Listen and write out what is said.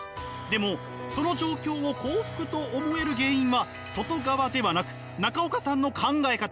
でもその状況を幸福と思える原因は外側ではなく中岡さんの考え方。